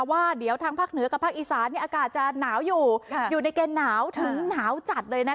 ว่าเดี๋ยวทางภาคเหนือกับภาคอีสานอากาศจะหนาวอยู่อยู่ในเกณฑ์หนาวถึงหนาวจัดเลยนะคะ